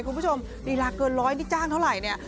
คุณผู้ชมนิลาเกินร้อยนี่จ้างเท่าไหร่เนี่ย